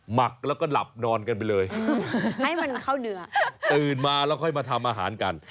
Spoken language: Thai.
หมักแล้วก็หลับนอนกันไปเลยให้มันเข้าเดือตื่นมาแล้วค่อยมาทำอาหารกัน